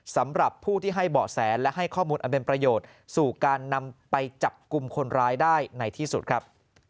สำหรับผู้ที่ให้เบาะแสและให้ข้อมูลอันเป็นประโยชน์สู่การนำไปจับกลุ่มคนร้ายได้ในที่สุดครับ